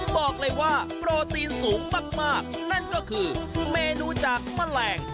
บอกเลยว่าโปรตีนสูงมากนั่นก็คือเมนูจากแมลง